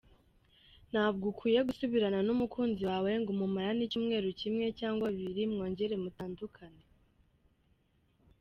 Ntabwo ukwiye gusubirana n’umukunzi wawe ngo mumarane icyumweru kimwe cyangwa bibiri mwongere mutandukane.